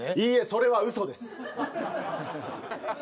それはウソです